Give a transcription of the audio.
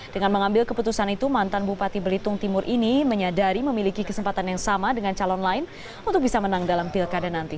dengan mengambil keputusan itu mantan bupati belitung timur ini menyadari memiliki kesempatan yang sama dengan calon lain untuk bisa menang dalam pilkada nanti